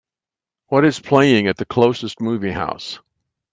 What is playing at the closest movie house